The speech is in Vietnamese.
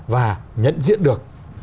và nhận diễn được